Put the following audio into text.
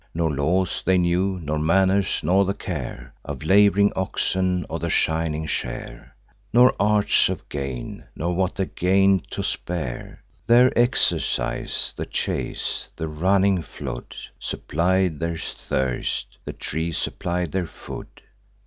Nor laws they knew, nor manners, nor the care Of lab'ring oxen, or the shining share, Nor arts of gain, nor what they gain'd to spare. Their exercise the chase; the running flood Supplied their thirst, the trees supplied their food.